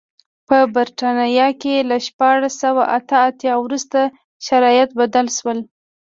په برېټانیا کې له شپاړس سوه اته اتیا وروسته شرایط بدل شول.